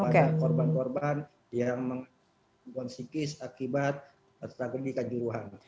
kepada korban korban yang mengakibat tragedi kejuruhan